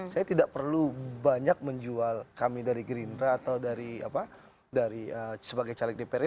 saya tidak perlu banyak menjual kami dari gerindra atau dari apa dari sebagai caleg dpr ri